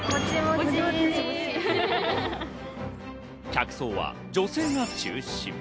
客層は女性が中心。